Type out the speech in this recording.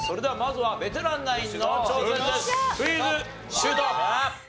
シュート！